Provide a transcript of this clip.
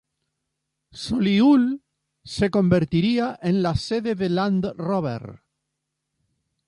Solihull se convertiría en la sede de Land Rover.